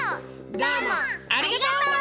どうもありがとう！